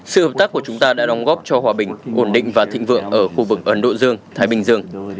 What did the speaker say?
sự hợp tác của chúng ta đã đóng góp cho hòa bình ổn định và thịnh vượng ở khu vực ấn độ dương thái bình dương